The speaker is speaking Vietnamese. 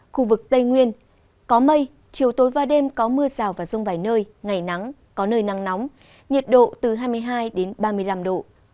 khu vực tây nguyên có mây chiều tối và đêm có mưa rào và rông vài nơi ngày nắng có nơi nắng nóng nhiệt độ từ hai mươi hai ba mươi năm độ